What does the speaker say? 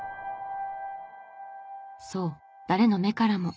そう誰の目からも。